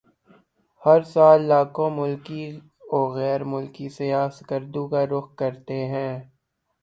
ہر سال لاکھوں ملکی وغیر ملکی سیاح سکردو کا رخ کرتے ہیں